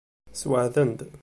Sweɛden-d.